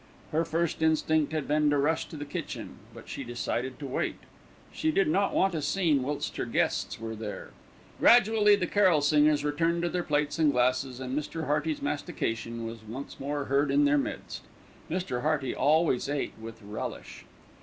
Her first instinct had been to rush to the kitchen; but she decided to wait. She did not want a scene whilst her guests were there. Gradually the carol singers returned to their plates and glasses, and Mr. Hearty's mastication was once more heard in their midst. Mr. Hearty always ate with relish.